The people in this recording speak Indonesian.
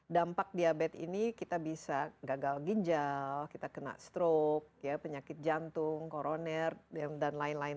dampak diabetes ini kita bisa gagal ginjal kita kena stroke penyakit jantung koroner dan lain lain